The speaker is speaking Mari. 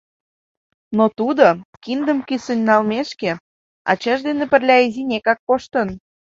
Но тудо, киндым кӱсын налмешке, ачаж дене пырля изинекак коштын.